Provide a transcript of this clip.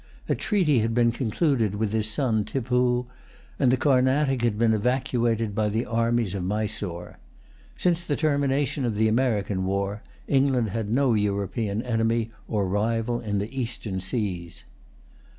A treaty had been concluded with his son Tippoo; and the Carnatic had been evacuated by the armies of Mysore. Since the termination of the American war, England had no European enemy or rival in the Eastern seas.